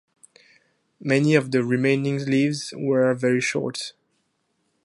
Many of the remaining leases were very short.